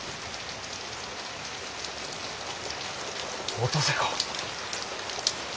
お登勢か。